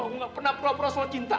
aku gak pernah pura pura soal cinta